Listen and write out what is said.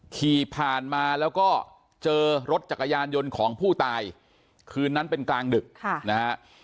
ขี่ผ่านมาแล้วก็เจอรถจักรยานยนต์ของผู้ตายคืนนั้นเป็นกลางดึกนะฮะ